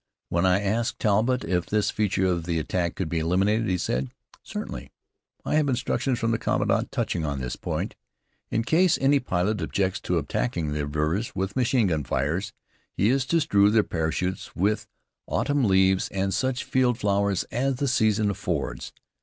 When I asked Talbott if this feature of the attack could be eliminated he said: "Certainly. I have instructions from the commandant touching on this point. In case any pilot objects to attacking the observers with machine gun fire, he is to strew their parachutes with autumn leaves and such field flowers as the season affords.